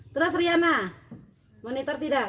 terus riana monitor tidak